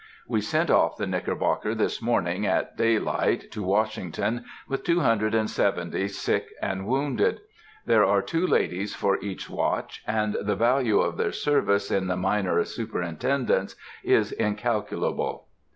We sent off the Knickerbocker this morning at daylight to Washington, with two hundred and seventy sick and wounded. There are two ladies for each watch, and the value of their service in the minor superintendence is incalculable.